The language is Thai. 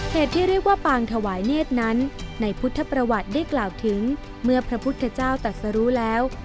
ที่เรียกว่าปางถวายเนธนั้นในพุทธประวัติได้กล่าวถึงเมื่อพระพุทธเจ้าตัดสรุแล้ว